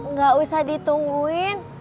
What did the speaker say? nggak usah ditungguin